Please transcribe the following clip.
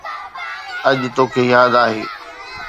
اڄ توکي ياد آهي